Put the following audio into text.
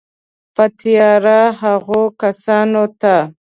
په تېره هغو کسانو ته